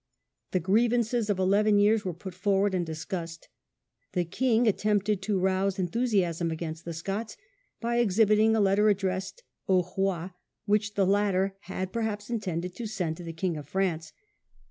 The grievances of eleven years were put forward and discussed. The king attempted to rouse enthusiasm against the Scots by exhibiting a letter addressed "Au roi ", which the latter had, perhaps, intended to send to the King of France.